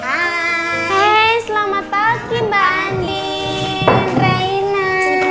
hai selamat pagi mbak andi reina